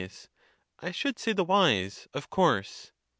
I should say the wise, of course.